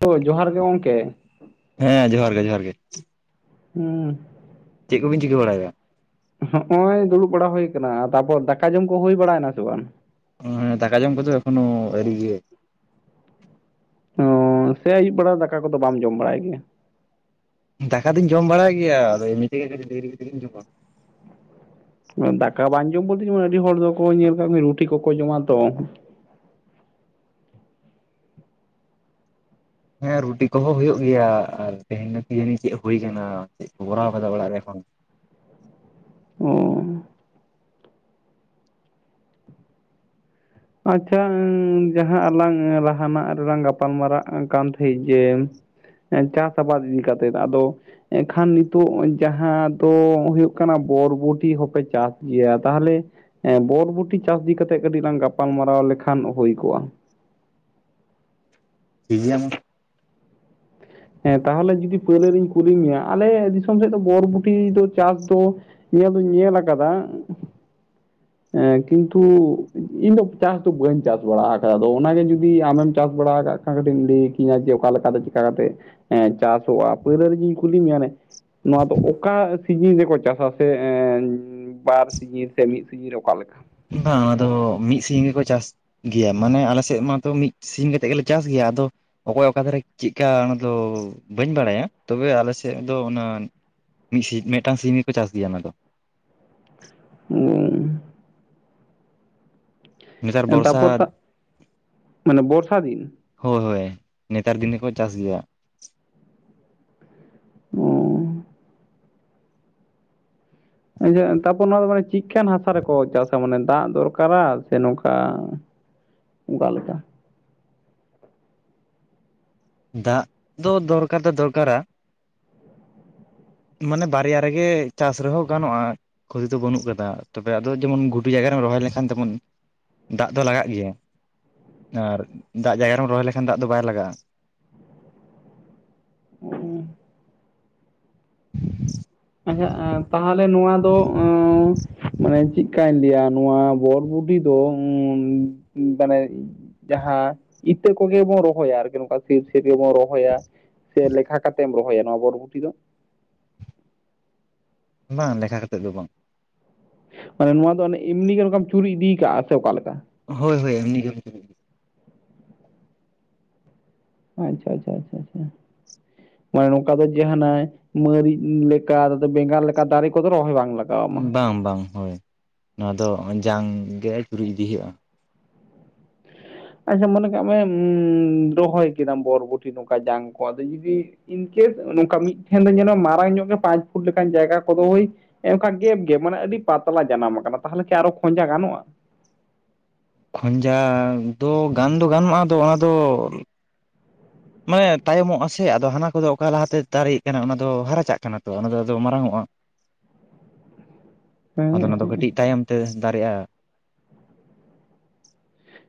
ᱛᱚ ᱡᱚᱦᱟᱨ ᱜᱮ ᱜᱚᱢᱠᱮ᱾ ᱦᱮᱸ ᱡᱚᱦᱟᱨ ᱜᱮ ᱡᱚᱦᱟᱨ ᱜᱮ᱾ ᱦᱩᱸᱻ ᱪᱮᱫ ᱠᱚᱵᱤᱱ ᱪᱤᱠᱟᱹ ᱵᱟᱲᱟᱭᱮᱫᱟ? ᱦᱚᱸᱜ ᱚᱭ ᱫᱩᱲᱩᱵ ᱵᱟᱲᱟ ᱦᱩᱭ ᱠᱟᱱᱟ ᱛᱟᱯᱚᱨ ᱫᱟᱠᱟ ᱡᱚᱢ ᱠᱚ ᱦᱩᱭ ᱵᱟᱲᱟᱭᱱᱟ ᱥᱮ ᱵᱟᱝ? ᱮᱸ ᱫᱟᱠᱟ ᱡᱚᱢ ᱠᱚᱛᱚ ᱮᱠᱷᱚᱱᱳ ᱟᱲᱨᱤ ᱜᱮ᱾ ᱚᱻ ᱥᱮ ᱟᱹᱭᱩᱵ ᱵᱮᱲᱟ ᱫᱟᱠᱟ ᱠᱚᱫᱚ ᱵᱟᱢ ᱡᱚᱢ ᱵᱟᱲᱟᱭ ᱜᱮᱭᱟ? ᱫᱟᱠᱟ ᱫᱚᱧ ᱡᱚᱢ ᱵᱟᱲᱟᱭ ᱜᱮᱭᱟ ᱟᱫᱚ ᱮᱢᱱᱤ ᱛᱮᱜᱮ ᱠᱟᱹᱴᱤᱡ ᱫᱮᱨᱤ ᱠᱟᱛᱮᱜᱤᱧ ᱡᱚᱢᱟ᱾ ᱫᱟᱠᱟ ᱵᱟᱝ ᱡᱚᱢ ᱵᱚᱞᱛᱮ ᱡᱮᱢᱚᱱ ᱟᱹᱰᱤ ᱦᱚᱲ ᱫᱚᱠᱚ ᱧᱮᱞ ᱠᱟᱜ ᱠᱚ ᱨᱩᱴᱤ ᱠᱚᱠᱚ ᱡᱚᱢᱟ ᱛᱚ᱾ ᱦᱮᱸ ᱨᱩᱴᱤ ᱠᱚᱦᱚᱸ ᱦᱩᱭᱩᱜ ᱜᱮᱭᱟ ᱟᱨ ᱛᱮᱦᱮᱧ ᱱᱟᱹᱠᱤ ᱡᱟᱹᱱᱤ ᱪᱮᱫ ᱦᱩᱭ ᱟᱠᱟᱱᱟ ᱪᱮᱫ ᱠᱚ ᱠᱚᱨᱟᱣ ᱟᱠᱟᱫᱟ ᱚᱲᱟᱜ ᱨᱮ ᱮᱠᱷᱚᱱ᱾ ᱚᱻ ᱟᱪᱪᱷᱟ ᱡᱟᱦᱟᱸ ᱟᱞᱟᱝ ᱞᱟᱦᱟᱱᱟᱜ ᱨᱮᱞᱟᱝ ᱜᱟᱯᱟᱞ ᱢᱟᱨᱟᱜ ᱠᱟᱱ ᱛᱟᱦᱮᱸᱜ ᱡᱮ, ᱪᱟᱥ ᱟᱵᱟᱫ ᱤᱫᱤ ᱠᱟᱛᱮᱜ ᱟᱫᱚ ᱮᱱᱠᱷᱟᱱ ᱱᱤᱛᱚᱜ ᱡᱟᱦᱟᱸ ᱫᱚ ᱦᱩᱭᱩᱜ ᱠᱟᱱᱟ ᱵᱚᱨᱵᱚᱴᱤ ᱦᱚᱸᱯᱮ ᱪᱟᱥ ᱜᱮᱭᱟ ᱛᱟᱦᱚᱞᱮ ᱦᱮᱸ ᱵᱚᱨᱵᱚᱴᱤ ᱪᱟᱥ ᱤᱫᱤ ᱠᱟᱛᱮᱜ ᱠᱟᱹᱴᱤᱡ ᱞᱟᱝ ᱜᱟᱯᱟᱞ ᱢᱟᱨᱟᱣ ᱞᱮᱠᱷᱟᱱ ᱦᱩᱭ ᱠᱚᱜᱼᱟ᱾ ᱴᱷᱤᱠ ᱜᱮᱭᱟ ᱢᱟ᱾ ᱦᱮᱸ ᱛᱟᱦᱚᱞᱮ ᱡᱩᱫᱤ ᱯᱳᱭᱞᱳ ᱨᱤᱧ ᱠᱩᱞᱤ ᱢᱮᱭᱟ ᱟᱞᱮ ᱫᱤᱥᱚᱢ ᱥᱮᱫ ᱫᱚ ᱵᱚᱨᱵᱩᱴᱤ ᱫᱚ ᱪᱟᱥ ᱫᱚ ᱤᱭᱟᱹ ᱫᱩᱧ ᱧᱮᱞ ᱟᱠᱟᱫᱟ [inaudible] ᱠᱤᱱᱛᱩ ᱤᱧ ᱫᱚ ᱪᱟᱥ ᱫᱚ ᱵᱟᱹᱧ ᱪᱟᱥ ᱵᱟᱲᱟ ᱟᱠᱟᱫᱟ ᱟᱫᱚ ᱚᱱᱟᱜᱮ ᱡᱩᱫᱤ ᱟᱢᱮᱢ ᱪᱟᱥ ᱵᱟᱲᱟ ᱟᱠᱟᱫ ᱠᱟᱹᱴᱤᱡᱮᱢ ᱞᱟᱹᱭ ᱠᱤᱧᱟᱹ ᱡᱮ ᱚᱠᱟ ᱞᱮᱠᱟ ᱞᱮᱠᱟᱛᱮ ᱪᱤᱠᱟ ᱠᱟᱛᱮᱜ ᱮ ᱪᱟᱥᱚᱜᱼᱟ ᱯᱳᱭᱞᱳ ᱨᱮᱜᱮᱧ ᱠᱩᱞᱤ ᱢᱮᱭᱟ ᱟᱱᱮ ᱱᱚᱣᱟ ᱫᱚ ᱚᱠᱟ ᱥᱤᱡᱤᱱ ᱨᱮᱠᱚ ᱪᱟᱥᱟ ᱥᱮ ᱵᱟᱨ ᱥᱟᱜᱤ ᱥᱮ ᱢᱤᱫ ᱥᱟᱜᱤ ᱨᱮ ᱚᱠᱟ ᱞᱮᱠᱟ ᱵᱟᱝ ᱟᱫᱚ ᱢᱤᱫ ᱥᱤᱧ ᱜᱮᱠᱚ ᱪᱟᱥ ᱜᱮᱭᱟ ᱢᱟᱱᱮ ᱟᱞᱮ ᱥᱮᱫ ᱢᱟᱛᱚ ᱢᱤᱫ ᱥᱤᱧ ᱠᱟᱛᱮᱫ ᱜᱮᱞᱮ ᱪᱟᱥ ᱜᱮᱭᱟ ᱟᱫᱚ, ᱚᱠᱚᱭ ᱚᱠᱟ ᱫᱷᱟᱨᱮ ᱪᱮᱫᱠᱟ ᱚᱱᱟᱫᱚ ᱵᱟᱹᱧ ᱵᱟᱲᱟᱭᱟ ᱛᱚᱵᱮ ᱟᱞᱮ ᱥᱮᱫ ᱫᱚ ᱚᱱᱟ ᱢᱤᱫ ᱢᱤᱫᱴᱟᱝ ᱥᱤᱢᱤ ᱠᱚ ᱪᱟᱥ ᱜᱮᱭᱟ ᱚᱱᱟ ᱫᱚ᱾ ᱦᱩᱸ ᱱᱮᱛᱟᱹᱨ ᱚ ᱛᱟᱯᱚᱨ ᱵᱚᱨᱥᱟᱫ ᱛᱟ ᱢᱟᱱᱮ ᱵᱚᱨᱥᱟ ᱫᱤᱱ ᱦᱳᱭ ᱦᱳᱭ ᱱᱮᱛᱟᱨ ᱫᱤᱱᱮᱠᱚ ᱪᱟᱥ ᱜᱮᱭᱟ᱾ ᱦᱩᱸ ᱟᱪᱷᱟ ᱛᱟᱨᱯᱚᱨ ᱱᱚᱣᱟ ᱫᱚ ᱢᱟᱱᱮ ᱪᱮᱫᱠᱟᱱ ᱦᱟᱥᱟ ᱨᱮᱠᱚ ᱪᱟᱥᱟ ᱢᱟᱱᱮ ᱫᱟᱜ ᱫᱚᱨᱠᱟᱨᱟ ᱥᱮ ᱱᱚᱝᱠᱟ ᱚᱠᱟ ᱞᱮᱠᱟ ᱫᱟᱜ ᱫᱚ ᱫᱚᱨᱠᱟᱨ ᱛᱮ ᱫᱚᱨᱠᱟᱨᱟ ᱢᱟᱱᱮ ᱵᱟᱨᱭᱟ ᱨᱮᱜᱮ ᱪᱟᱥ ᱨᱮᱦᱚᱸ ᱜᱟᱱᱚᱜᱼᱟ᱾ ᱠᱷᱚᱛᱤ ᱫᱚ ᱵᱟᱹᱱᱩᱜ ᱠᱟᱫᱟ ᱛᱚᱵᱮ ᱟᱫᱚ ᱡᱮᱢᱚᱱ ᱜᱷᱩᱴᱩ ᱡᱟᱭᱜᱟ ᱨᱮᱢ ᱨᱚᱦᱚᱭ ᱞᱮᱱᱠᱷᱟᱱ ᱡᱮᱢᱚᱱ ᱫᱟᱜ ᱫᱚ ᱞᱟᱜᱟᱜ ᱜᱮᱭᱟ ᱟᱨ ᱫᱟᱜ ᱡᱟᱭᱜᱟ ᱨᱮᱢ ᱨᱚᱦᱚᱭ ᱞᱮᱠᱷᱟᱱ ᱫᱟᱜ ᱫᱚ ᱵᱟᱭ ᱞᱟᱜᱟᱜᱼᱟ᱾ ᱦᱩᱸ ᱟᱪᱪᱷᱟ ᱮ ᱛᱟᱦᱚᱞᱮ ᱱᱚᱣᱟ ᱫᱚ ᱢᱟᱱᱮ ᱪᱮᱫᱠᱟᱧ ᱞᱟᱹᱭᱟ ᱱᱚᱣᱟ ᱵᱚᱨᱵᱩᱰᱤ ᱫᱚ ᱢᱟᱱᱮ ᱡᱟᱦᱟᱸ ᱤᱛᱟᱹ ᱠᱚᱜᱮ ᱵᱚᱱ ᱨᱚᱦᱚᱭᱟ ᱟᱨᱠᱤ ᱱᱚᱝᱠᱟ ᱥᱤᱨᱥᱤᱨ ᱜᱮᱵᱚᱱ ᱨᱚᱦᱚᱭᱟ᱾ ᱥᱮ ᱞᱮᱠᱷᱟ ᱠᱟᱛᱮᱢ ᱨᱚᱦᱚᱭᱟ ᱱᱚᱣᱟ ᱵᱚᱨᱵᱩᱚᱴᱤ ᱫᱚ? ᱵᱟᱝ ᱞᱮᱠᱷᱟ ᱠᱟᱛᱮᱫ ᱫᱚ ᱵᱟᱝ᱾ ᱢᱟᱱᱮ ᱱᱚᱣᱟ ᱫᱚ ᱮᱢᱱᱤᱜᱮ ᱱᱚᱝᱠᱟᱢ ᱪᱩᱨᱩᱡ ᱤᱫᱤ ᱟᱠᱟ ᱥᱮ ᱚᱠᱟ ᱞᱮᱠᱟ? ᱦᱳᱭ ᱦᱳᱭ ᱮᱢᱱᱤ ᱜᱮ ᱟᱪᱪᱷᱟ ᱟᱪᱪᱷᱟ ᱪᱷᱟ ᱪᱷᱟ᱾ ᱢᱟᱱᱮ ᱱᱚᱝᱠᱟ ᱫᱚ ᱡᱟᱦᱱᱟᱜ ᱢᱟ. ᱨᱤᱪ ᱞᱮᱠᱟ ᱵᱮᱸᱜᱟᱲ ᱞᱮᱠᱟ ᱫᱟᱨᱮ ᱠᱚᱫᱚ ᱨᱚᱦᱚᱭ ᱵᱟᱝ ᱞᱟᱜ ᱵᱟᱝ ᱵᱟᱝ ᱦᱳᱭ ᱱᱚᱣᱟ ᱫᱚ ᱡᱟᱝ ᱜᱮ ᱪᱩᱨᱩᱡ ᱤᱫᱤ ᱦᱩᱭᱩᱜᱼᱟ᱾ ᱟᱪᱪᱷᱟ ᱢᱚᱱᱮ ᱠᱟᱜ ᱢᱮ ᱨᱚᱦᱚᱭ ᱠᱮᱫᱟᱢ ᱵᱚᱨᱵᱚᱴᱤ ᱱᱚᱝᱠᱟ ᱡᱟᱝ ᱠᱚ ᱟᱫᱚ ᱡᱩᱫᱤ? ᱤᱱᱠᱮᱥ ᱱᱚᱝᱠᱟ ᱢᱤᱫ ᱴᱷᱮᱱ ᱫᱚ ᱧᱮᱱᱚᱜᱼᱟ ᱢᱟᱨᱟᱝ ᱧᱚᱜ ᱜᱮ ᱯᱟᱸᱪ ᱯᱷᱩᱴ ᱞᱮᱠᱟᱱ ᱡᱟᱭᱜᱟ ᱠᱚᱫᱚ ᱦᱳᱭ᱾ ᱚᱱᱠᱟ ᱜᱮᱯ ᱜᱮ ᱢᱟᱱᱮ ᱟᱹᱰᱤ ᱯᱟᱛᱞᱟ ᱡᱟᱱᱟᱢ ᱟᱠᱟᱱᱟ ᱛᱟᱦᱚᱞᱮ ᱠᱤ ᱟᱨᱚ ᱠᱷᱡᱟ ᱜᱟᱱᱚᱜᱼᱟ? ᱠᱷᱚᱸᱡᱟ ᱫᱚ ᱜᱟᱱ ᱫᱚ ᱜᱟᱱᱚᱜᱼᱟ ᱟᱫᱚ ᱚᱱᱟ ᱫᱚ᱾ ᱢᱟᱭᱮ ᱛᱟᱭᱚᱢᱚᱜᱼᱟ ᱥᱮ ᱟᱫᱚ ᱦᱟᱱᱟ ᱠᱚᱫᱚ ᱚᱠᱟ ᱞᱟᱦᱟᱛᱮ ᱫᱟᱨᱮᱜ ᱠᱟᱱᱟ ᱚᱱᱟ ᱫᱚ ᱦᱟᱨᱟᱪᱟᱜ ᱠᱟᱱᱟ ᱛᱚ ᱚᱱᱟ ᱫᱚ ᱢᱟᱨᱟᱝᱟ ᱚᱜᱼᱟ᱾ ᱟᱫᱚ ᱦᱮᱸ ᱚᱱᱟ ᱫᱚ ᱠᱟᱹᱴᱤᱡ ᱛᱟᱭᱚᱢ ᱛᱮ ᱫᱟᱨᱮᱜᱼᱟ᱾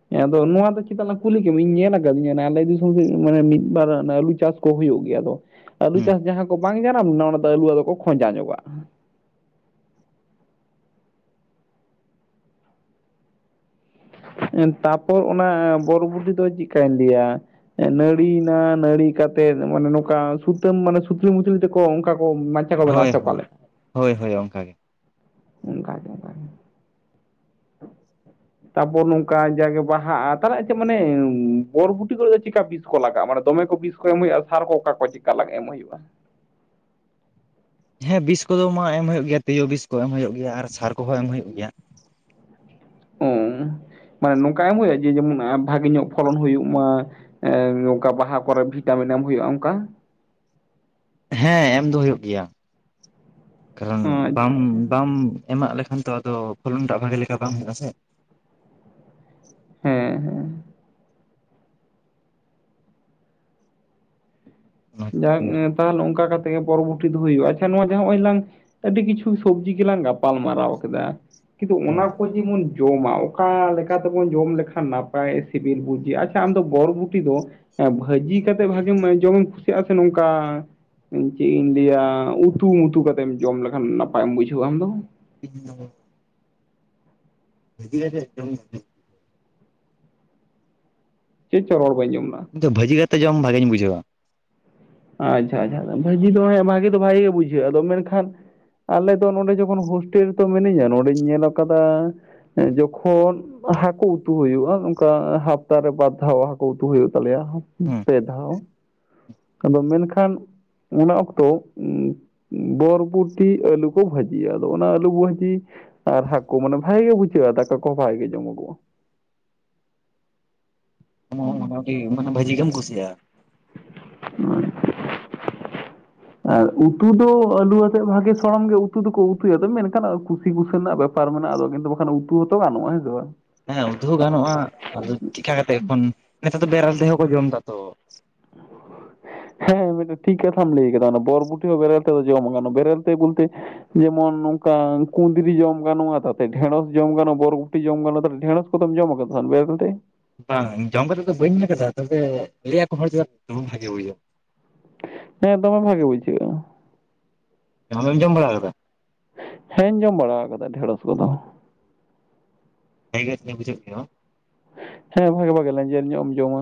ᱦᱮᱸ ᱟᱫᱚ ᱱᱚᱣᱟ ᱫᱚ ᱪᱮᱫᱟᱜ ᱞᱟᱝ ᱠᱩᱞᱤ ᱠᱮ ᱢᱮ ᱤᱧ ᱧᱮᱞ ᱟᱠᱟᱫᱤᱧᱟ ᱟᱞᱮ ᱫᱤᱥᱚᱢ ᱨᱮ ᱢᱟᱱᱮ ᱢᱤᱫ ᱵᱟᱨ ᱟᱞᱩ ᱪᱟᱥ ᱠᱚ ᱦᱩᱭᱩᱜ ᱜᱮᱭᱟ ᱟᱫᱚ ᱟᱹᱞᱩ ᱦᱩᱸ ᱪᱟᱥ ᱡᱟᱦᱟᱸ ᱠᱚ ᱵᱟᱝ ᱡᱟᱱᱟᱢ ᱞᱮᱱᱟ ᱚᱱᱟ ᱫᱚ ᱟᱹᱞᱩᱫᱚᱠᱚ ᱠᱷᱚᱸᱡᱟ ᱧᱚᱜᱚᱜᱼᱟ᱾ ᱛᱟᱯᱚᱨ ᱚᱱᱟ ᱵᱚᱨᱚ ᱵᱩᱰᱤ ᱫᱚ ᱪᱮᱫᱠᱟᱧ ᱞᱟᱹᱭᱟ? ᱟ. ᱱᱟ. ᱲᱤᱭᱮᱱᱟ ᱱᱟᱹᱲᱤ ᱠᱟᱛᱮ ᱢᱟᱱᱮ ᱱᱚᱝᱠᱟ ᱥᱩᱛᱟᱹᱢ ᱢᱟᱱᱮ ᱥᱩᱛᱞᱤ ᱢᱩᱛᱞᱤ ᱛᱮᱠᱚ ᱚᱝᱠᱟ ᱠᱚ ᱠᱚ ᱵᱮᱱᱟᱣᱟ ᱦᱳᱭ ᱥᱮ ᱦᱳᱭ ᱚᱠᱟᱞᱮᱠᱟ ᱦᱳᱭ ᱦᱳᱭ ᱚᱱᱠᱟ ᱜᱮ᱾ ᱚᱱᱠᱟ ᱜᱮ ᱚᱱᱠᱟᱜᱮ᱾ ᱛᱟᱯᱚᱨ ᱱᱚᱝᱠᱟ ᱡᱟᱜᱮ ᱵᱟᱦᱟᱜᱼᱟ ᱛᱟᱦᱮ ᱪᱮᱫ ᱢᱟᱱᱮ ᱵᱚᱨᱵᱩᱴᱤ ᱠᱚᱨᱮ ᱫᱚ ᱪᱮᱠᱟ ᱵᱤᱥ ᱠᱚ ᱞᱟᱜᱟᱜᱼᱟ ᱢᱟᱱᱮ ᱫᱚᱢᱮ ᱠᱚ ᱵᱤᱥ? ᱮᱢ ᱦᱩᱭᱩᱜᱼᱟ ᱥᱟᱨ ᱠᱚ ᱚᱠᱟ ᱠᱚ ᱪᱮᱠᱟ ᱮᱢ ᱦᱩᱭᱩᱜᱼᱟ? ᱦᱮᱸ ᱵᱤᱥ ᱠᱚᱫᱚ ᱢᱟ ᱮᱢ ᱦᱩᱭᱩᱜ ᱜᱮᱭᱟ ᱛᱤᱭᱩ ᱵᱤᱥ ᱠᱚ ᱮᱢ ᱦᱩᱭᱩᱜ ᱜᱮᱭᱟ ᱟᱨ ᱥᱟᱨ ᱠᱚᱦᱚᱸ ᱮᱢ ᱦᱩᱭᱩᱜ ᱜᱮᱭᱟ᱾ [inaudible] ᱚ ᱢᱟᱱᱮ ᱱᱚᱝᱠᱟ ᱮᱢ ᱦᱩᱭᱩᱜᱼᱟ ᱡᱮ ᱡᱮᱢᱚᱱ ᱵᱷᱟᱜᱮ ᱧᱚᱜ ᱯᱷᱚᱞᱚᱱ ᱦᱩᱭᱩᱜ ᱢᱟ? ᱮ ᱚᱱᱠᱟ ᱵᱟᱦᱟ ᱠᱚᱨᱮ ᱵᱷᱤᱴᱟᱢᱤᱱ ᱮᱢ ᱦᱩᱭᱩᱜᱼᱟ ᱚᱱᱠᱟ? ᱦᱮᱸ ᱮᱢ ᱫᱚ ᱦᱩᱭᱩᱜ ᱜᱮᱭᱟ ᱠᱟᱨᱚᱱ ᱵᱟᱢ ᱟᱪᱪᱷᱟ ᱟᱪᱪᱷᱟ ᱵᱟᱢ ᱮᱢᱟᱜ ᱞᱮᱠᱷᱟᱱ ᱛᱚ ᱟᱫᱚ ᱯᱷᱚᱞᱚᱱᱴᱟᱜ ᱵᱷᱟᱜᱮ ᱞᱮᱠᱟ ᱵᱟᱝ ᱦᱩᱭᱩᱜᱼᱟ ᱥᱮ᱾ ᱦᱮᱸ ᱦᱮᱸ᱾ ᱚᱱᱟ ᱠᱷᱟᱹᱛᱤᱨ ᱡᱟᱠ ᱛᱮᱜᱮ ᱟᱨᱠᱤ᱾ ᱛᱟᱦᱚᱞᱮ ᱚᱱᱠᱟ ᱠᱟᱛᱮᱜ ᱜᱮ ᱯᱚᱨᱚᱵᱚᱨᱛᱤ ᱫᱚ ᱦᱩᱭᱩᱜᱼᱟ ᱟᱪᱪᱷᱟ ᱱᱚᱣᱟ ᱱᱚᱭᱞᱟᱝ ᱟᱹᱰᱤ ᱠᱤᱪᱷᱩ ᱥᱚᱵᱡᱤ ᱜᱮᱞᱟᱝ ᱜᱟᱯᱟᱞ ᱢᱟᱨᱟᱣ ᱠᱮᱫᱟ ᱠᱤᱱᱛᱩ ᱦᱮᱸ ᱚᱱᱟ ᱠᱚ ᱡᱮᱢᱚᱱ ᱡᱚᱢᱟ ᱚᱠᱟ ᱞᱮᱠᱟ ᱛᱮᱵᱚᱱ ᱡᱚᱢ ᱞᱮᱠᱷᱟᱱ ᱱᱟᱯᱟᱭ ᱥᱤᱵᱤᱞ ᱵᱩᱡᱷᱟᱹᱜ ᱟᱪᱪᱷᱟ ᱟᱢᱫᱚ ᱜᱚᱨᱵᱩᱴᱤ ᱫᱚ ᱮᱸ ᱵᱷᱟᱹᱡᱤ ᱠᱟᱛᱮᱫ ᱵᱷᱟᱜᱮᱢᱟᱜ ᱡᱚᱢᱮᱢ ᱠᱩᱥᱤᱼᱟ ᱥᱮ ᱱᱚᱝᱠᱟ ᱪᱮᱫ ᱤᱧ ᱞᱟᱹᱭᱟ ᱩᱛᱩᱢᱩᱛᱩ ᱠᱟᱛᱮᱢ ᱡᱚᱢ ᱞᱮᱠᱷᱟᱱ ᱱᱟᱯᱟᱭᱮᱢ ᱵᱩᱡᱷᱟᱹᱣᱟ ᱟᱢᱫᱚ? [unintelligible] [unintelligible] ᱴᱤᱠ ᱟᱪᱮ ᱡᱚᱢ ᱪᱮᱫ ᱪᱚ ᱨᱚᱲ ᱵᱟᱹᱧ ᱡᱚᱢᱞᱚᱻᱟ? ᱤᱫᱚ ᱵᱷᱟᱹᱡᱤ ᱠᱟᱛᱮ ᱡᱚᱢ ᱵᱷᱟᱜᱮᱧ ᱵᱩᱡᱷᱟᱹᱣᱟ᱾ ᱟᱪᱪᱷᱟ ᱟᱪᱪᱷᱟ ᱵᱷᱟᱹᱡᱤ ᱫᱚ ᱦᱮᱸ ᱵᱷᱟᱜᱤ ᱫᱚ ᱵᱷᱟᱭᱤ ᱜᱮ ᱵᱩᱡᱷᱟᱹᱜᱼᱟ ᱟᱫᱚ ᱢᱮᱱᱠᱷᱟᱱ ᱟᱞᱮᱫᱚ ᱱᱚᱸᱰᱮ ᱡᱚᱠᱷᱚᱱ ᱦᱳᱥᱴᱮᱞ ᱨᱮᱛᱚ ᱢᱤᱱᱤᱧᱟ ᱱᱚᱸᱰᱮᱧ ᱧᱮᱞ ᱟᱠᱟᱫᱟ ᱡᱚᱠᱷᱚᱱ ᱦᱟᱹᱠᱩ ᱩᱛᱩ ᱦᱩᱭᱩᱜᱼᱟ ᱚᱝᱠᱟ ᱦᱟᱯᱛᱟᱨᱮ ᱵᱟᱨ ᱫᱷᱟᱣ ᱦᱟᱹᱠᱩ ᱩᱛᱩ ᱦᱩᱭᱩᱜ ᱛᱟᱞᱮᱭᱟ᱾ ᱦᱮᱸ ᱯᱮ ᱫᱷᱟᱣ ᱟᱫᱚ ᱢᱮᱱᱠᱷᱟᱱ ᱚᱱᱟ ᱚᱠᱛᱚ ᱩᱸ ᱵᱚᱨᱵᱩᱴᱤ ᱟᱹᱞᱩ ᱠᱚ ᱵᱷᱟᱹᱡᱤᱭᱟ ᱟᱫᱚ ᱚᱱᱟ ᱟᱹᱞᱩ ᱵᱷᱟᱹᱡᱤ ᱟᱨ ᱦᱟᱹᱠᱩ ᱢᱟᱱᱮ ᱵᱷᱟᱜᱮ ᱜᱮ ᱵᱩᱡᱷᱟᱹᱜᱼᱟ ᱫᱟᱠᱟ ᱠᱚ ᱵᱷᱟᱜᱮ ᱜᱮ ᱡᱚᱢᱚᱜᱚᱜᱼᱟ᱾ [unintelligible] ᱚᱱᱟᱜᱤ ᱢᱟᱱᱮ ᱵᱷᱟᱹᱡᱤ ᱜᱮᱢ ᱠᱩᱥᱤᱭᱟ [inaudible] [inaudible] ᱟᱨ ᱩᱛᱩ ᱫᱚ ᱟᱹᱞᱩ ᱣᱟᱛᱮᱜ ᱵᱷᱟᱜᱮ ᱥᱚᱲᱚᱢ ᱜᱮ ᱩᱛᱩ ᱫᱚᱠᱚ ᱩᱛᱩᱭᱟ ᱟᱫᱚ ᱢᱮᱱᱠᱷᱟᱱ ᱠᱩᱥᱤ ᱵᱩᱥᱟᱹ ᱨᱮᱱᱟᱜ ᱵᱮᱯ ᱯᱟᱨ ᱢᱮᱱᱟᱜᱼᱟ ᱟᱫᱚ ᱠᱤᱱᱛᱩ ᱵᱟᱠᱷᱟᱱ ᱩᱛᱩ ᱦᱚᱸ ᱛᱚ ᱜᱟᱱᱚᱜᱼᱟ ᱦᱮᱹᱥᱮ ᱵᱟᱝ᱾ ᱦᱮᱸ ᱩᱛᱩᱦᱚᱸ ᱜᱟᱱᱚᱜᱼᱟ ᱟᱫᱚ ᱪᱮᱤᱠᱟ ᱠᱟᱛᱮᱜ ᱮᱠᱷᱚᱱ ᱱᱮᱛᱟᱨ ᱫᱚ ᱵᱮᱨᱮᱞ ᱛᱮᱦᱚᱸ ᱠᱚ ᱡᱚᱢᱫᱟᱛᱚ᱾ ᱦᱮᱸ ᱢᱤᱜᱴᱮᱡ ᱴᱷᱤᱠ ᱠᱟᱛᱷᱟᱢ ᱞᱟᱹᱭ ᱠᱟᱫᱟ ᱚᱱᱟ ᱵᱚᱨ ᱵᱩᱴᱤ ᱦᱚᱸ ᱵᱮᱨᱮᱞ ᱛᱮᱠᱚ ᱡᱚᱢᱟᱠᱟᱱᱟ ᱵᱮᱨᱮᱞ ᱛᱮ ᱵᱩᱞᱛᱮ ᱡᱮᱢᱚᱱ ᱱᱚᱝᱠᱟ ᱠᱩᱸᱫᱨᱤ ᱡᱚᱢ ᱜᱟᱱᱚᱜᱼᱟ ᱛᱟᱛᱮ ᱰᱷᱮᱹᱲᱚᱥ ᱡᱚᱢ ᱜᱟᱱᱚᱜᱼᱟ ᱵᱚᱨᱵᱳᱴᱤ ᱡᱚᱢ ᱜᱟᱱᱚᱜᱼᱟ ᱛᱟ ᱰᱷᱮᱸᱲᱚᱥ ᱠᱚᱫᱚᱢ ᱡᱚᱢ ᱠᱟᱫᱟ ᱵᱮᱨᱮᱞ ᱛᱮ? ᱵᱟᱝ ᱡᱚᱢ ᱠᱟᱛᱮᱜ ᱫᱚ ᱵᱟᱹᱧ ᱧᱮᱞ ᱠᱟᱫᱟ ᱛᱚᱵᱮ ᱞᱟᱹᱭᱟᱠᱚ ᱦᱚᱲ ᱪᱮᱠᱟᱛᱮ [unintelligible] ᱦᱮᱸ ᱫᱚᱢᱮ ᱵᱷᱟᱹᱜᱮ ᱵᱩᱡᱷᱟᱹᱜᱼᱟ᱾ ᱟᱡᱮᱢ ᱡᱚᱢ ᱵᱟᱲᱟᱣ ᱠᱟᱫᱟ? ᱦᱮᱸᱧ ᱡᱚᱢ ᱵᱟᱲᱟᱣ ᱠᱟᱫᱟ ᱰᱷᱮᱸᱲᱚᱥ ᱠᱚᱫᱚ᱾ ᱦᱮᱜᱮ [unintelligible] ᱵᱩᱡᱷᱟᱹᱣ ᱠᱮᱜᱟᱢ? ᱦᱮᱸ ᱵᱷᱟᱜᱮ ᱵᱷᱟᱜᱮ ᱞᱮᱸᱡᱮᱨ ᱧᱚᱜ ᱮᱢ ᱡᱚᱢᱟ᱾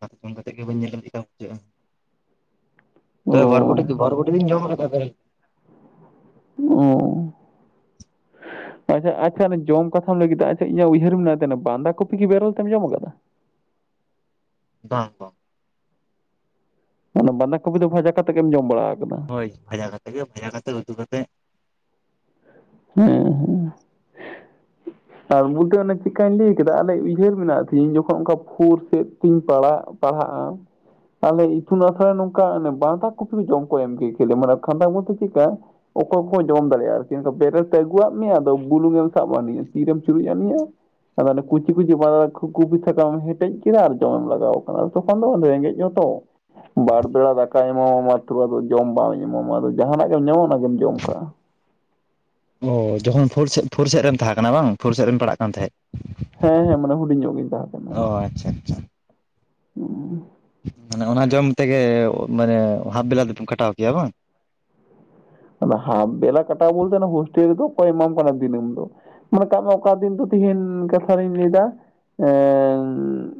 [unintelligible] ᱠᱟᱛᱮᱜ ᱜᱮ ᱵᱮᱱ ᱧᱮᱞᱮ ᱧᱟᱢᱟ ᱠᱮᱜᱟ ᱡᱮ ᱚ ᱛᱚᱵᱮ ᱵᱟᱨ ᱠᱩᱴᱤ ᱠᱤ ᱵᱚᱨ ᱠᱩᱴᱤ ᱵᱤᱱ ᱡᱚᱢ ᱠᱟᱫᱟ ᱵᱮᱨᱮᱞ ᱩᱸ᱾ [inaudible] ᱟᱪᱪᱷᱟ ᱟᱪᱪᱷᱟ ᱚᱱᱟ ᱡᱚᱢ ᱡᱚᱛᱷᱟᱢ ᱞᱟᱹᱭ ᱠᱮᱫᱟ ᱟᱪᱪᱷᱟ ᱤᱧᱟᱹᱜ ᱩᱭᱦᱟᱹᱨ ᱢᱮᱱᱟᱛᱮᱱᱟ ᱵᱟᱸᱫᱟ ᱠᱚᱯᱤ ᱠᱤ ᱵᱮᱨᱮᱞ ᱛᱮᱢ ᱡᱚᱢ ᱟᱠᱟᱫᱟ? ᱵᱟᱝ ᱵᱟᱝ᱾ ᱚᱱᱟ ᱵᱟᱸᱫᱟ ᱠᱚᱯᱤ ᱫᱚ ᱵᱷᱟᱡᱟ ᱠᱟᱛᱮᱜ ᱜᱮᱢ ᱡᱚᱢ ᱵᱟᱲᱟᱣ ᱠᱟᱫᱟ᱾ ᱦᱳᱭ ᱵᱷᱟ ᱠᱟᱛᱮᱜ ᱜᱮ ᱵᱷᱟᱡᱟ ᱠᱟᱛᱮᱜ ᱩᱛᱩ ᱠᱟᱛᱮᱜ ᱦᱮ ᱦᱮ᱾ [inaudible] ᱟᱨ ᱵᱩᱫᱟᱹ ᱚᱱᱮ ᱪᱮᱠᱟᱧ ᱞᱟᱹᱭ ᱠᱮᱫᱟ ᱟᱞᱮ ᱩᱭᱦᱟᱹᱨ ᱢᱮᱱᱟᱜ ᱛᱤᱧ ᱡᱚᱠᱷᱚᱱ ᱚᱱᱠᱟ ᱯᱷᱳ ᱥᱮᱜ ᱤᱧ ᱯᱟᱲᱟᱜ ᱯᱟᱲᱦᱟᱜᱼᱟ᱾ ᱟᱞᱮ ᱤᱛᱩᱱ ᱟᱥᱲᱟ ᱱᱚᱝᱠᱟ ᱚᱱᱮ ᱵᱟᱸᱫᱷᱟ ᱠᱩᱯᱤ ᱠᱚ ᱡᱚᱢ ᱠᱚ ᱮᱢ ᱠᱮ ᱠᱮᱞᱮ ᱢᱟᱱᱮ ᱠᱷᱟᱸᱫᱟ ᱵᱚᱞᱛᱮ ᱪᱤᱜᱠᱟ ᱚᱠᱚᱭ ᱠᱚ ᱡᱚᱢ ᱫᱟᱲᱮᱭᱟᱜᱼᱟ ᱟᱨᱠᱤ ᱱᱤᱛᱚ ᱵᱮᱨᱮᱞ ᱛᱮ ᱟᱹᱜᱩᱣᱟᱜ ᱢᱮᱭᱟ ᱟᱫᱚ ᱵᱩᱞᱩᱝᱮᱢ ᱥᱟᱵ ᱟᱱᱤ-ᱟ ᱛᱤᱨᱮᱢ ᱪᱩᱨᱩᱡ ᱟᱱᱤᱜᱟ ᱟᱫᱚ ᱚᱱᱮ ᱠᱩᱪᱤ ᱠᱩᱪᱤ ᱵᱟᱫᱟ ᱠᱩᱯᱤ ᱥᱟᱠᱟᱢ ᱦᱮᱴᱮᱡ ᱠᱮᱫᱟ ᱟᱨ ᱡᱚᱢ ᱞᱟᱜᱟᱣ ᱠᱟᱱᱟ᱾ ᱛᱚᱠᱷᱚᱱ ᱫᱚ ᱨᱮᱸᱜᱮᱡ ᱦᱚᱸ ᱛᱚ ᱵᱟᱨ ᱵᱮᱲᱟ ᱫᱟᱠᱟ ᱧᱟᱢᱚᱜ-ᱟ ᱢᱟᱸᱛᱨᱚ ᱟᱫᱚ ᱡᱚᱢ ᱵᱟᱢ ᱮᱢᱟᱢᱟ ᱟᱫᱚ ᱡᱟᱦᱟᱱᱟᱜ ᱜᱮᱢ ᱧᱟᱢᱟ ᱚᱱᱟᱜᱮᱢ ᱡᱚᱢ ᱠᱟᱜᱼᱟ᱾ ᱚ ᱡᱚᱠᱷᱚᱱ ᱯᱷᱩᱨ ᱥᱮᱜ ᱯᱷᱩᱨ ᱥᱮᱜ ᱨᱮᱢ ᱛᱟᱦᱮᱸ ᱠᱟᱱᱟ ᱵᱟᱝ ᱯᱷᱳᱨ ᱥᱮᱜ ᱨᱮᱢ ᱯᱟᱲᱟᱜ ᱠᱟᱱ ᱛᱮᱦᱮᱸᱜ᱾ ᱦᱮᱸ ᱦᱮᱸ ᱢᱟᱱᱮ ᱦᱩᱰᱤᱧ ᱧᱚᱜ ᱜᱤᱧ ᱛᱟᱦᱮᱸ ᱠᱟᱱᱟ᱾ ᱚ ᱟᱪᱪᱷᱟ ᱟᱪᱪᱷᱟ [unintelligible] ᱢᱟᱱᱮ ᱚᱱᱟ ᱡᱚᱢ ᱛᱮᱜᱮ ᱢᱟᱱᱮ ᱦᱟᱯ ᱵᱮᱞᱟ ᱫᱚᱯᱮ ᱠᱷᱴᱟᱣ ᱠᱮᱭᱟ ᱵᱟᱝ? ᱟᱫᱚ ᱦᱟᱵ ᱵᱮᱞᱟ ᱠᱟᱴᱟᱣ ᱵᱚᱞᱛᱮ ᱚᱱᱟ ᱦᱳᱥᱴᱮᱞ ᱨᱮᱫᱚ ᱚᱠᱚᱭ ᱮᱢᱟᱢ ᱠᱟᱱᱟ ᱫᱤᱱᱟᱹᱢ ᱫᱚ᱾ ᱢᱚᱱᱮ ᱠᱟᱜ ᱢᱮ ᱚᱠᱟ ᱫᱤᱱ ᱫᱚ ᱛᱤᱦᱤᱧ ᱠᱟᱛᱷᱟ ᱨᱤᱧ ᱞᱟᱹᱭᱫᱟ ᱮᱧ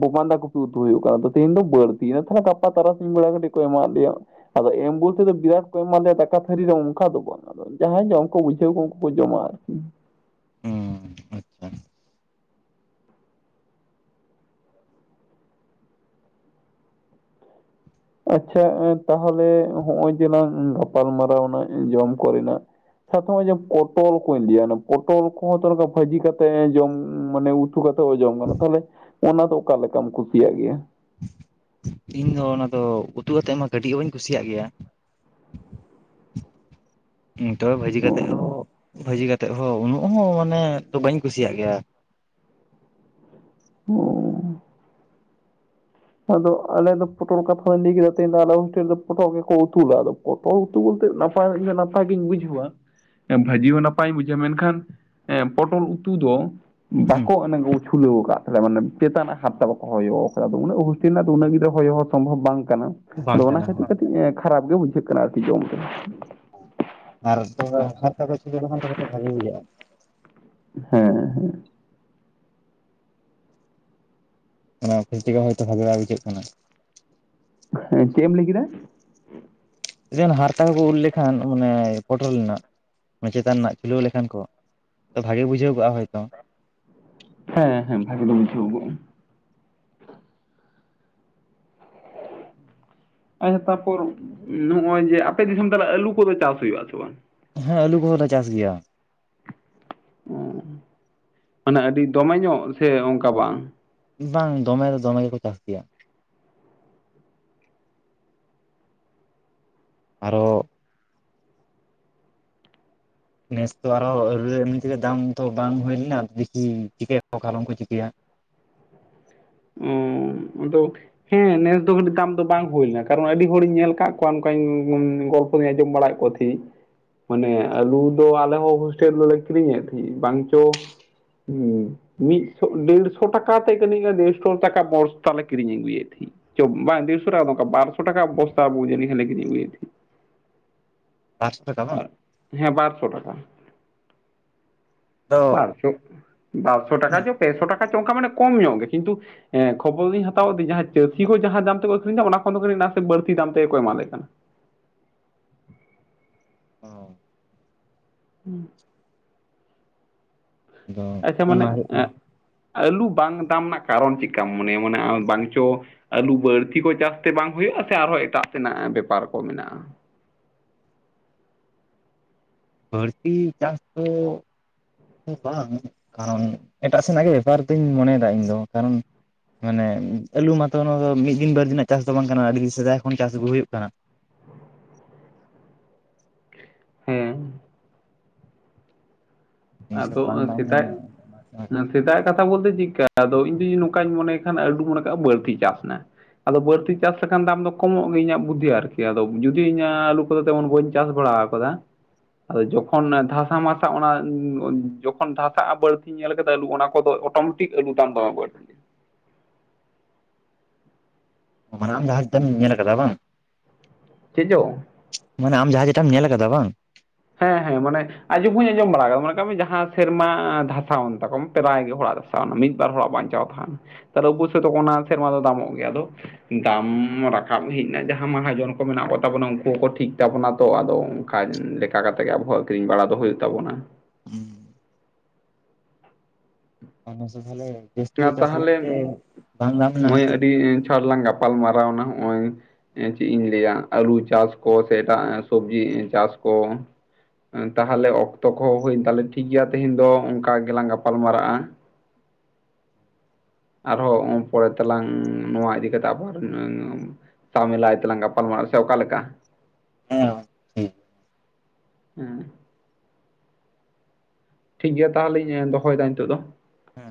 ᱵᱚᱵᱟᱱᱫᱟ ᱠᱚᱯᱤ ᱩᱛᱩ ᱦᱩᱭᱩᱜ ᱠᱟᱱᱟ ᱟᱫᱚ ᱛᱮᱦᱮᱧ ᱫᱚ ᱵᱟᱹᱲᱛᱤᱭᱮᱱᱟ ᱛᱟᱦᱞᱮ ᱜᱟᱯᱟ ᱛᱟᱨᱟᱥᱤᱧ ᱵᱮᱲᱟ ᱠᱟᱹᱴᱤᱡ ᱠᱚ ᱮᱢᱟᱣᱟᱜ ᱞᱮᱭᱟ᱾ ᱟᱫᱚ ᱮᱢ ᱵᱩᱞᱛᱮ ᱫᱚ ᱵᱤᱨᱟᱴ ᱠᱚ ᱮᱢᱟ ᱞᱮᱭᱟ ᱫᱟᱠᱟ ᱛᱷᱟᱹᱨᱤ ᱨᱮ ᱚᱱᱠᱟ ᱫᱚ ᱵᱟᱝ ᱡᱟᱦᱟᱸᱭ ᱡᱚᱢ ᱠᱚ ᱵᱩᱡᱷᱟᱹᱣ ᱠᱚ ᱩᱱᱠᱩ ᱠᱚ ᱡᱚᱢᱟ᱾ ᱦᱩᱸ ᱟᱪᱪᱷᱟ ᱟᱪᱪᱷᱟ ᱮ ᱛᱟᱦᱚᱞᱮ ᱦᱚᱜᱚᱭ ᱡᱮᱞᱟᱝ ᱜᱟᱯᱟᱞ ᱢᱟᱨᱟᱣᱱᱟ ᱡᱚᱢ ᱠᱚᱨᱮᱱᱟᱜ ᱪᱷᱟᱛᱚ ᱦᱚᱜᱚᱭ ᱡᱮᱢ ᱯᱚᱴᱚᱞ ᱠᱚᱧ ᱤᱫᱤᱭᱟ ᱚᱱᱟ ᱯᱚᱴᱚᱞ ᱠᱚᱦᱚᱸ ᱛᱚ ᱚᱱᱟ ᱫᱚ ᱵᱷᱟᱹᱡᱤ ᱠᱟᱛᱮᱜ ᱮ ᱡᱚᱢ ᱢᱟᱱᱮ ᱩᱛ ᱩᱛᱩ ᱠᱟᱛᱮ ᱦᱚ ᱡᱚᱢ ᱜᱟᱱᱚᱜ, ᱛᱟᱦᱞᱮ ᱚᱱᱟ ᱫᱚ ᱚᱠᱟ ᱞᱮᱠᱟᱢ ᱠᱩᱥᱤᱭᱟᱜ ᱜᱮᱭᱟ? ᱤᱧ ᱫᱚ ᱚᱱᱟ ᱫᱚ ᱩᱛᱩ ᱠᱟᱛᱮ ᱢᱟ ᱠᱟᱹᱴᱤᱡ ᱦᱚᱸ ᱵᱟᱹᱧ ᱠᱩᱥᱤᱭᱟᱜ ᱜᱮᱭᱟ᱾ ᱛᱚᱵᱮ ᱵᱷᱟᱹᱡᱤ ᱚ ᱠᱟᱛᱮᱜ ᱦᱚᱸ ᱵᱷᱟᱹᱡᱤ ᱠᱟᱛᱮᱜ ᱦᱚᱸ ᱩᱱᱟᱹᱜ ᱦᱚᱸ ᱢᱟᱱᱮ ᱛᱚ ᱵᱟᱹᱧ ᱠᱩᱥᱤᱭᱟᱜ ᱜᱮᱭᱟ᱾ ᱦᱩᱸ, ᱟᱫᱚ ᱟᱞᱮ ᱫᱚ ᱯᱚᱴᱚᱞ ᱠᱟᱛᱷᱟ ᱞᱟᱹᱭ ᱠᱮᱫᱟ ᱯᱚᱴᱚᱞ ᱜᱮᱠᱚ ᱩᱛᱩ ᱞᱟᱜ-ᱟ ᱟᱫᱚ, ᱯᱚᱴᱚᱞ ᱩᱛᱩ ᱵᱚᱞᱛᱮ ᱱᱟᱯᱟᱭ ᱱᱟᱯᱟᱭ ᱜᱤᱧ ᱵᱩᱡᱷᱟᱹᱣᱟ᱾ ᱵᱷᱟᱹᱡᱤ ᱦᱚᱸ ᱱᱟᱯᱟᱭᱤᱧ ᱵᱩᱡᱷᱟᱹᱣᱟ ᱢᱮᱱᱠᱷᱟᱱ ᱮᱸ ᱯᱚᱴᱚᱞ ᱩᱛᱩ ᱫᱚ, ᱦᱩᱸ ᱵᱟᱠᱚ ᱚᱱᱮ ᱩᱪᱷᱩᱞᱟᱹᱣ ᱠᱟᱫ ᱛᱟᱞᱮᱭᱟ ᱢᱟᱱᱮ ᱪᱮᱛᱟᱱᱟᱜ ᱦᱟᱨᱛᱟ ᱵᱟᱠᱚ ᱦᱚᱭᱚ ᱟᱠᱟᱫᱟ ᱟᱫᱚ ᱩᱱᱟᱹᱜ ᱨᱮᱱᱟᱜ ᱫᱚ ᱩᱱᱟᱹᱜ ᱦᱚᱭᱚ ᱦᱚ ᱥᱚᱢᱵᱷᱚᱵ ᱵᱟᱝ ᱠᱟᱱᱟ ᱟᱫᱚ ᱵᱟᱝ ᱚᱱᱟ ᱠᱟᱱᱟ ᱠᱷᱟᱹᱛᱤᱨ ᱦᱳᱭ ᱠᱟᱹᱴᱤᱡ ᱠᱷᱟᱨᱟᱯ ᱜᱮ ᱵᱩᱡᱷᱟᱹᱜ ᱠᱟᱱᱟ ᱟᱨᱠᱤ ᱡᱚᱢ ᱛᱮ᱾ ᱟᱨ ᱛᱚᱵᱮ ᱦᱟᱨᱛᱟ ᱠᱚ ᱪᱷᱩᱞᱟᱹᱣ ᱞᱮᱠᱷᱟᱱ ᱛᱚᱵᱮ ᱛᱚ ᱵᱷᱟᱜᱮ ᱵᱩᱡᱷᱟᱹᱜᱼᱟ᱾ ᱦᱮᱸ ᱦᱮᱸ᱾ ᱚᱱᱟ [unintelligible] ᱦᱚᱭᱛᱳ ᱵᱷᱟᱜᱮ ᱵᱟᱭ ᱵᱩᱡᱷᱟᱹᱜ ᱠᱟᱱᱟ᱾ ᱦᱮᱸ ᱪᱮᱫ ᱮᱢ ᱞᱟᱹᱭ ᱠᱮᱫᱟ? ᱡᱮ ᱦᱟᱨᱛᱟ ᱠᱚ ᱠᱚ ᱩᱨ ᱞᱮᱠᱷᱟᱱ ᱢᱟᱱᱮ ᱯᱚᱴᱚᱞ ᱨᱮᱱᱟᱜ ᱪᱮᱛᱟᱱ ᱨᱮᱱᱟᱜ ᱪᱷᱩᱞᱟᱹᱣ ᱞᱮᱠᱷᱟᱱ ᱠᱚ, ᱛᱚ ᱵᱷᱟᱜᱮ ᱜᱮ ᱵᱩᱡᱷᱟᱹᱣ ᱠᱚᱜᱼᱟ ᱦᱚᱭᱛᱚ᱾ ᱦᱮᱸ ᱦᱮᱸ ᱵᱷᱟᱜᱮ ᱫᱚ ᱵᱩᱡᱷᱟᱹᱣ ᱠᱚᱜ-ᱟ᱾ ᱟ ᱛᱟᱯᱚᱨ ᱱᱚᱜᱼᱚᱭ ᱡᱮ ᱟᱯᱮ ᱫᱤᱥᱚᱢ ᱛᱟᱞᱮ ᱟᱞᱩ ᱠᱚᱫᱚ ᱪᱟᱥ ᱦᱩᱭᱩᱜ ᱟᱥᱮ ᱵᱟᱝ? ᱦᱮᱸ ᱟᱹᱞᱩ ᱠᱚᱫᱚ ᱞᱮ ᱪᱟᱥ ᱜᱮᱭᱟ᱾ ᱚ, ᱢᱟᱱᱮ ᱟᱹᱰᱤ ᱫᱚᱢᱮ ᱧᱚᱜ ᱥᱮ ᱚᱱᱠᱟ ᱵᱟᱝ? ᱵᱟᱝ ᱫᱚᱢᱮ ᱫᱚ ᱫᱚᱢᱮ ᱜᱮᱠᱚ ᱪᱟᱥ ᱜᱮᱭᱟ᱾ ᱟᱨᱚ- ᱱᱮᱥ ᱛᱚ ᱟᱨᱚ ᱮ ᱮᱢᱱᱤ ᱛᱮᱜᱮ ᱫᱟᱢ ᱛᱚ ᱵᱟᱝ ᱦᱩᱭ ᱞᱮᱱᱟ ᱫᱤᱠᱤ ᱪᱤᱠᱟᱹᱭᱟᱠᱚ ᱠᱷᱞᱚᱢ ᱠᱚ ᱪᱤᱠᱟᱹᱭᱟ? ᱚ ᱟᱫᱚ, ᱦᱮᱸ ᱱᱮᱥ ᱫᱚ ᱢᱟᱱᱮ ᱫᱟᱢ ᱫᱚ ᱵᱟᱝ ᱦᱩᱭ ᱞᱮᱱᱟ ᱠᱟᱨᱚᱱ ᱟᱹᱰᱤ ᱦᱚᱲᱤᱧ ᱧᱮᱞ ᱠᱟᱫ ᱠᱚᱣᱟ ᱱᱚᱝ ᱜᱚᱞᱯᱚ ᱫᱩᱧ ᱟᱸᱡᱚᱢ ᱵᱟᱲᱟᱭᱮᱫ ᱠᱚᱣᱟ ᱛᱟᱦᱮᱸ ᱢᱟᱱᱮ ᱟᱞᱩ ᱫᱚ ᱟᱞᱮ ᱦᱚᱸ ᱦᱳᱥᱴᱮᱞ ᱨᱮᱞᱮ ᱠᱤᱨᱤᱧᱮᱫ ᱛᱟᱦᱮᱸᱫ ᱵᱟᱝ ᱪᱚ, ᱦᱩ ᱢᱤᱫᱥᱚ ᱰᱮᱲᱥᱚ ᱴᱟᱠᱟ ᱛᱮ ᱠᱟᱹᱱᱟ [unintelligible] [unintelligible] ᱴᱟᱠᱟ ᱵᱚᱥᱛᱟ ᱛᱟᱞᱮ ᱠᱤᱨᱤᱧ ᱟᱹᱜᱩᱭᱮᱫ ᱛᱟᱹᱦᱤᱡ᱾ ᱪᱚ ᱵᱟᱝ ᱫᱮᱲᱥᱚ ᱴᱟᱠᱟ ᱫᱚ ᱵᱟ ᱵᱟᱨᱥᱚ ᱴᱟᱠᱟ ᱵᱚᱥᱛᱟ ᱵᱩᱡᱟᱹᱱ ᱞᱮ ᱠᱤᱨᱤᱧ ᱟᱹᱜᱩᱭᱮᱫ ᱛᱟᱸᱦᱮᱫ᱾ ᱵᱟᱨᱥᱚ ᱴᱟᱠᱟ ᱵᱟᱝ? ᱛᱟᱦᱮᱸᱫ᱾ ᱦᱮᱸ ᱵᱟᱨᱥᱚ ᱴᱟᱠᱟ᱾ ᱟᱫᱚ ᱵᱟᱨᱥᱚ ᱵᱟᱨᱥᱚ ᱴᱟᱠᱟ ᱪᱚ ᱯᱮᱥᱚ ᱴᱟᱠᱟ ᱪᱚ ᱚᱱᱠᱟ ᱢᱟᱱ ᱠᱚᱢ ᱧᱚᱜᱚ ᱜᱮ ᱠᱤᱱᱛᱩ, ᱦᱮᱸ ᱠᱷᱚᱵᱚᱨ ᱞᱤᱧ ᱦᱟᱛᱟᱣ ᱫᱟ ᱡᱟᱦᱟᱸ ᱪᱟᱹᱥᱤ ᱠᱚ ᱡᱟᱦᱟᱸ ᱫᱟᱢ ᱛᱮᱠᱚ ᱟᱹᱠᱷᱨᱤᱧ ᱮᱫᱟ ᱚᱱᱟ ᱠᱷᱚᱱ ᱫᱚ ᱠᱟᱹᱴᱤᱡ ᱱᱟᱥᱮ ᱵᱟᱹᱲᱛᱤ ᱫᱟᱢ ᱛᱮᱠᱚ ᱮᱢᱟᱞᱮ ᱠᱟᱱᱟ᱾ ᱚ, ᱦᱩ, ᱟᱫᱚ ᱟᱪᱪᱷᱟ ᱢᱟᱱᱮ ᱚᱱᱟ ᱦᱩᱭᱩᱜ ᱠᱟᱱᱟ ᱮᱸᱜ ᱟᱹᱞᱩ ᱵᱟᱝ ᱫᱟᱢ ᱨᱮᱱᱟᱜ ᱠᱟᱨᱚᱱ ᱪᱮᱫ ᱠᱟᱢ ᱢᱚᱱᱮᱭᱟ ᱢᱟᱱᱮ ᱵᱟᱝ ᱪᱚ, ᱟᱹᱞᱩ ᱵᱟᱹᱲᱛᱤ ᱠᱚ ᱪᱟᱹᱟᱥᱛᱮ ᱵᱟᱝ ᱦᱩᱭᱩᱜᱼᱟ ᱥᱮ ᱟᱨᱦᱚᱸ ᱮᱴᱟᱜ ᱥᱮᱱᱟᱜ ᱵᱮᱯᱟᱨ ᱠᱚ ᱢᱮᱱᱟᱜᱼᱟ᱾ ᱵᱷᱟᱹᱲᱛᱤ ᱪᱟᱥ ᱫᱚ, ᱫᱚ ᱵᱟᱝ, ᱠᱟᱨᱚᱱ ᱮᱴᱟᱜ ᱥᱮᱱᱟᱜ ᱜᱮ ᱵᱮᱯᱟᱨ ᱫᱚᱧ ᱢᱚᱱᱮᱭᱮᱫᱟ ᱤᱧ ᱫᱚ ᱠᱟᱨᱚᱱ, ᱢᱟᱱᱮ ᱟᱹᱞᱩ ᱢᱟᱛᱚ ᱱᱚᱣᱟ ᱫᱚ ᱢᱤᱫ ᱫᱤᱱ ᱵᱟᱨ ᱫᱤᱱᱟᱜ ᱪᱟᱥ ᱫᱚ ᱵᱟᱝ ᱠᱟᱱᱟ ᱟᱹᱰᱤ ᱥᱮᱫᱟᱭ ᱠᱷᱚᱱ ᱪᱟᱥ ᱟᱹᱜᱩ ᱦᱩᱭᱩᱜ ᱠᱟᱱᱟ᱾ ᱦᱮᱸ, ᱱᱤᱭᱟᱹ ᱪᱷᱚᱴ ᱟᱫᱚ ᱵᱟᱝ ᱱᱚᱜ-ᱚᱭ ᱫᱟᱢ ᱥᱮᱫᱟᱭ, ᱞᱮᱱᱟ ᱚᱱᱟ ᱪᱟᱸᱫ ᱥᱮᱛᱟᱜ ᱠᱟᱛᱷᱟ ᱵᱚᱞᱛᱮ ᱪᱤᱠ ᱠᱟ ᱟᱫᱚ ᱤᱧ ᱡᱩᱫᱤ ᱱᱚᱝᱠᱟᱧ ᱢᱚᱱᱮ ᱠᱷᱟᱱ ᱟᱞᱩ ᱢᱚᱱᱮ ᱠᱟᱜᱼᱟ ᱵᱟᱹᱲᱛᱤ ᱪᱟᱥ ᱮᱱᱟ? ᱟᱫᱚ ᱵᱟᱹᱲᱛᱤ ᱪᱟᱥ ᱞᱮᱠᱷᱟᱱ ᱫᱟᱢ ᱫᱚ ᱠᱚᱢᱚᱜ ᱜᱮᱭᱟ ᱤᱧᱟᱹᱜ ᱵᱩᱫᱽᱫᱷᱤ ᱟᱨᱠᱤ ᱟᱫᱚ ᱡᱩᱫᱤ ᱤᱧᱟᱹᱜ ᱟᱞᱩ ᱠᱚᱫᱚ ᱛᱮᱢᱚᱱ ᱵᱟᱹᱧ ᱪᱟᱥ ᱵᱟᱲᱟ [unintelligible] ᱡᱚᱠᱷᱚᱱ ᱫᱷᱟᱥᱟ ᱢᱟᱥᱟ ᱚᱱᱟ᱾ ᱡᱚᱠᱷᱚᱱ ᱫᱷᱟᱥᱟᱜᱼᱟ ᱵᱟᱹᱲᱛᱤ ᱧᱮᱞ ᱠᱟᱫᱟ ᱟᱹᱞᱩ ᱚᱱᱟ ᱠᱚᱫᱚ ᱚᱴᱳᱢᱮᱴᱤᱠ ᱟᱹᱞᱩ ᱛᱟᱢ ᱫᱚ ᱵᱟᱹᱲᱛᱤ᱾ ᱢᱟᱱᱮ ᱟᱢ ᱡᱟᱦᱟ ᱛᱤᱱᱟᱹᱜ ᱮᱢ ᱧᱮᱞ ᱠᱟᱫᱟ ᱵᱟᱝ᱾ ᱪᱮᱫ ᱪᱚ? ᱢᱟᱱᱮ ᱟᱢ ᱡᱟᱦᱟᱸ ᱡᱮᱴᱟᱷᱟᱢ ᱧᱮᱞ ᱟᱠᱟᱫᱟ ᱵᱟᱝ᱾ ᱦᱮᱸ ᱦᱮᱸ ᱢᱟᱱᱮ ᱟᱡᱸᱚᱢ ᱦᱚᱸᱧ ᱟᱸᱡᱚᱢ ᱵᱟᱲᱟ ᱠᱟᱫᱟ ᱢᱚᱱᱮᱠᱟᱜ ᱢᱮ ᱡᱟᱦᱟᱸ ᱥᱮᱨᱢᱟ ᱫᱷᱟᱥᱟᱣᱮᱱ ᱛᱟᱠᱚᱢ ᱯᱮᱨᱟᱭ ᱜᱮ ᱦᱚᱲᱟᱜ᱾ ᱢᱤᱫ ᱵᱟᱨ ᱦᱚᱲᱟᱜ ᱵᱟᱧᱪᱟᱣ ᱠᱷᱟᱱ ᱛᱟᱦᱚᱞᱮ ᱚᱵᱚᱥᱥᱳᱭ ᱫᱚ ᱚᱱᱟ ᱥᱮᱨᱢᱟ ᱫᱚ ᱫᱟᱢᱚᱜ ᱜᱮᱭᱟ ᱟᱫᱚ᱾ ᱫᱟᱢ ᱨᱟᱠᱟᱵ ᱦᱮᱡ ᱮᱱᱟ ᱡᱟᱦᱟᱸ ᱢᱟᱦᱟᱡᱚᱱ ᱠᱚ ᱢᱮᱱᱟᱜ ᱠᱚᱛᱟᱵᱚᱱᱟ ᱩᱱᱠᱩ ᱦᱚᱸᱠᱚ ᱴᱷᱤᱠ ᱛᱟᱵᱚᱱᱟ ᱛᱚ ᱟᱫᱚ᱾ ᱠᱷᱟᱭ ᱞᱮᱠᱟ ᱠᱟᱛᱮ ᱜᱮ ᱟᱵᱚᱸ ᱦᱚᱸ ᱠᱤᱨᱤᱧ ᱵᱟᱲᱟ ᱫᱚ ᱦᱩᱭᱩᱜ ᱛᱟᱵᱚᱱᱟ ᱾ ᱟᱨ ᱱᱟᱥᱮ ᱛᱟᱞᱮ᱾ ᱟᱨ ᱛᱟᱦᱮᱞᱮ ᱞᱮᱱᱟ ᱱᱚᱜᱼᱚᱭ ᱦᱤᱛᱚᱜ ᱟᱹᱰᱤ ᱪᱷᱟᱲ ᱞᱟᱝ ᱜᱟᱯᱟᱞ ᱢᱟᱨᱟᱣᱱᱟ ᱱᱚᱜᱼᱚᱭ᱾ ᱪᱮᱫ ᱤᱧ ᱞᱟᱹᱭᱟ ᱟᱹᱞᱩ ᱪᱟᱥ ᱠᱚ ᱥᱮ ᱮᱴᱟᱜ ᱥᱚᱵᱡᱤ ᱪᱟᱥ ᱠᱚ᱾ ᱛᱟᱦᱮᱞᱮ ᱚᱠᱛᱚ ᱠᱚᱦᱚᱸ ᱦᱩᱭᱮᱱ ᱛᱟᱦᱮᱞᱮ ᱴᱷᱤᱠ ᱜᱮᱭᱟ ᱛᱮᱦᱮᱧ ᱫᱚ ᱚᱝᱠᱟ ᱜᱮᱞᱟᱝ ᱜᱟᱯᱟᱞ ᱢᱟᱨᱟᱜᱼᱟ ᱾ ᱟᱨᱦᱚᱸ ᱯᱚᱨᱮ ᱛᱮᱞᱟᱝ ᱱᱚᱣᱟ ᱤᱫᱤ ᱠᱟᱛᱮ ᱟᱵᱟᱨ᱾ ᱥᱟᱢᱮᱞᱟᱭ ᱛᱮ ᱞᱟᱝ ᱜᱟᱯᱟᱞ ᱢᱟᱲᱟᱜ ᱥᱮ ᱚᱠᱟ ᱞᱮᱠᱟ? ᱦᱮᱸ ᱴᱷᱤᱠ ᱦᱩᱸ᱾ ᱴᱷᱤᱠ ᱜᱮᱭᱟ ᱛᱟᱦᱚᱞᱮᱧ ᱫᱚᱦᱚᱭᱮᱫᱟ ᱱᱤᱛᱚᱜ ᱫᱚ᱾ ᱦᱮᱸ